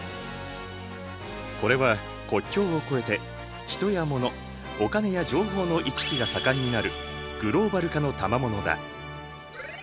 これは国境を越えて人や物お金や情報の行き来が盛んになるグローバル化のたまものだ。